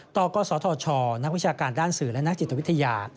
กศธชนักวิชาการด้านสื่อและนักจิตวิทยา